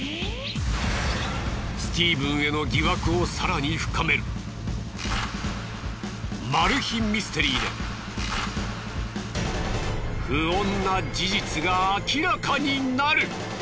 スティーブンへの疑惑を更に深めるマル秘ミステリーで不穏な事実が明らかになる！